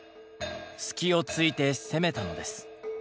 隙をついて攻めたのです。